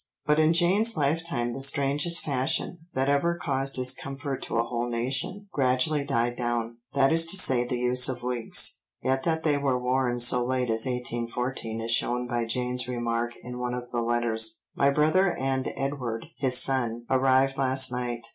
But in Jane's lifetime the strangest fashion, that ever caused discomfort to a whole nation, gradually died down, that is to say the use of wigs. Yet that they were worn so late as 1814 is shown by Jane's remark in one of the letters. "My brother and Edward (his son) arrived last night.